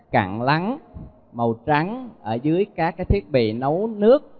cặn lắng màu trắng ở dưới các thiết bị nấu nước